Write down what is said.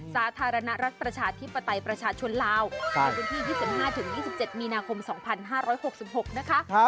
สาธารณรักประชาธิปไตยประชาชนลาวในวันที่๒๕๒๗มีนาคม๒๕๖๖นะคะ